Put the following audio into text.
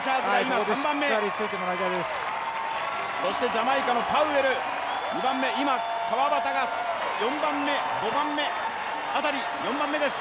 ジャマイカのパウエル、２番目、今、川端が４番目です。